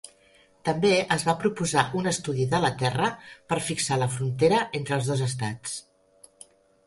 També es va proposar un estudi de la terra per fixar la frontera entre els dos estats.